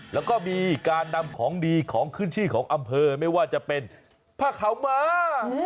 แล้วก็มีการนำของดีของขึ้นชื่อของอำเภอไม่ว่าจะเป็นผ้าขาวม้า